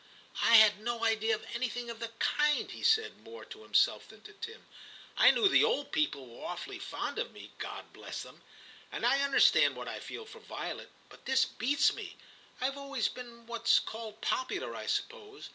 ' I had no idea of anything of the kind,' he said, more to himself than to Tim. * I knew the old people were awfully fond of me, God bless them ; and I understand what I feel for Violet. But this beats me ; IVe always been what's called popular, I suppose.